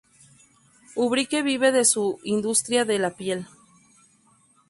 Ubrique vive de su industria de la piel.